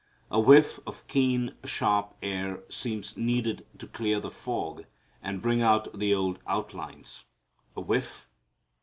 A whiff of keen, sharp air seems needed to clear the fog and bring out the old outlines a whiff?